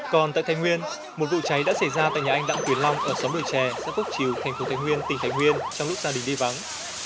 còn tại thành nguyên một vụ cháy đã xảy ra tại nhà anh đặng quyền long ở xóm đồi trè giữa phúc chiều thành phố thành nguyên tỉnh thành nguyên trong lúc gia đình đi vắng